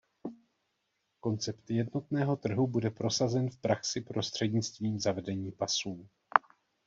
Koncept jednotného trhu bude prosazen v praxi prostřednictvím zavedení pasů.